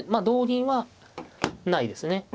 同銀はないですね。